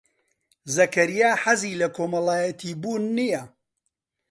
زەکەریا حەزی لە کۆمەڵایەتیبوون نییە.